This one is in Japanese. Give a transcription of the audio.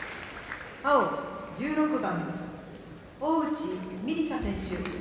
青１６番大内美里沙選手。